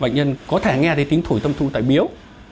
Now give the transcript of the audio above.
bệnh nhân có thể nghe thấy tiếng thổi tâm thu tại biếu